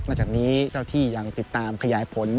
จากนี้เจ้าที่ยังติดตามขยายผล